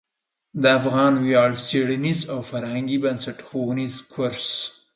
د افغان ویاړ څیړنیز او فرهنګي بنسټ ښوونیز کورس